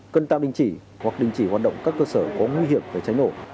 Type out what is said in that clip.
cần tạm đình chỉ hoặc đình chỉ hoạt động các cơ sở có nguy hiểm về cháy nổ